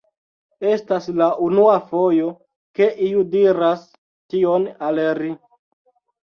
Estas la unua fojo ke iu diras tion al ri.